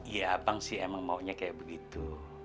ya abang sih emang maunya kayak begitu